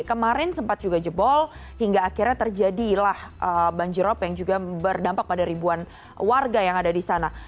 kemarin sempat juga jebol hingga akhirnya terjadilah banjirop yang juga berdampak pada ribuan warga yang ada di sana